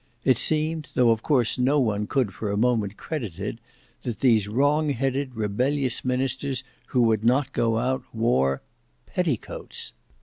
It seemed, though of course no one could for a moment credit it, that these wrong headed, rebellious ministers who would not go out, wore—petticoats!